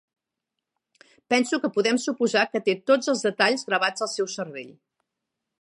Penso que podem suposar que té tots els detalls gravats al seu cervell.